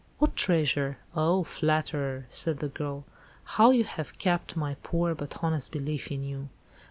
"What treasure? Oh, flatterer!" said the girl; "how you have capped my poor but honest belief in you.